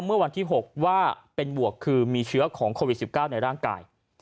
เมื่อวันที่๖ว่าเป็นบวกคือมีเชื้อของโควิด๑๙ในร่างกาย